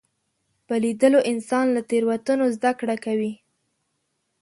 په لیدلو انسان له تېروتنو زده کړه کوي